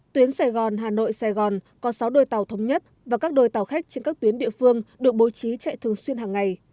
tuyến sài gòn hà nội sài gòn có sáu đôi tàu thống nhất và các đôi tàu khách trên các tuyến địa phương được bố trí chạy thường xuyên hàng ngày